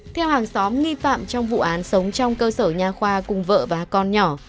theo hàng xóm nghi phạm trong vụ án sống trong cơ sở nhà khoa cùng vợ và con nhỏ